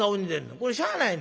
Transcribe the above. これしゃあないの。